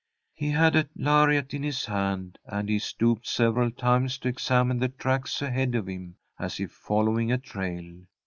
He had a lariat in his hand, and he stooped several times to examine the tracks ahead of him, as if following a trail.